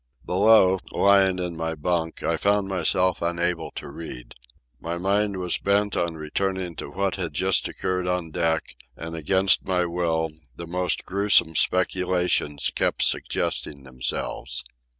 Below, lying in my bunk, I found myself unable to read. My mind was bent on returning to what had just occurred on deck, and, against my will, the most gruesome speculations kept suggesting themselves.